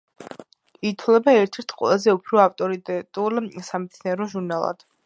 ითვლება ერთ-ერთ ყველაზე უფრო ავტორიტეტულ სამეცნიერო ჟურნალად.